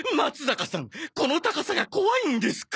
かさんこの高さが怖いんですか！？